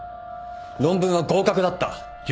論文は合格だった。